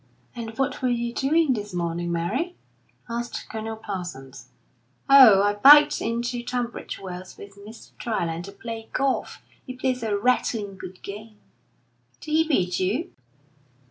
"And what were you doing this morning, Mary?" asked Colonel Parsons. "Oh, I biked in to Tunbridge Wells with Mr. Dryland to play golf. He plays a rattling good game." "Did he beat you?"